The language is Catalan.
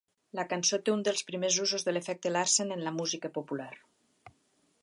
La cançó té un dels primers usos de l'efecte Larsen en la música popular.